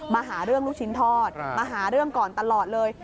มาหาเรื่องลูกชิ้นทอดมาหาเรื่องก่อนตลอดเลย